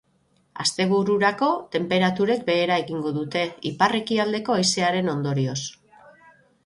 Astebururako, tenperaturek behera egingo dute, ipar-ekialdeko haizearen ondorioz.